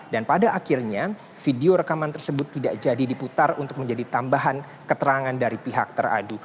dan pada akhirnya video rekaman tersebut tidak jadi diputar untuk menjadi tambahan keterangan dari pihak teradu